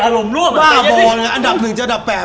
ร่างจากพี่บีบอลล์อันดับหนึ่งจากอันดับแปด